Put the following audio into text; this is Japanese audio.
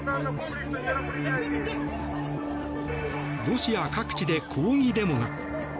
ロシア各地で抗議デモが。